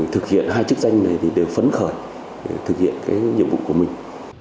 thực hiện hai chức danh này đều phấn khởi để thực hiện nhiệm vụ của mình